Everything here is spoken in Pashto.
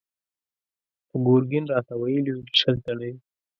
خو ګرګين راته ويلي و چې شل تنه دي.